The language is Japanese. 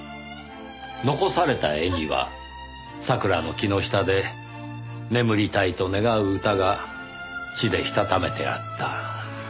残された絵には桜の木の下で眠りたいと願う歌が血でしたためてあった。